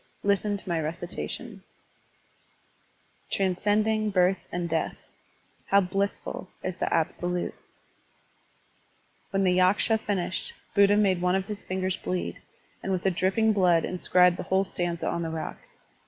Listen to my reci tation: "Transcending birth and death, How blissful is the Absolute Tl When the Yaksha finished, Buddha made one of his fingers bleed, and with the dripping blood inscribed the whole stanza on the rock.